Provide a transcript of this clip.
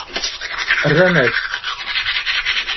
Rran-ak-t.